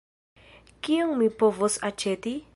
Kion mi povos aĉeti?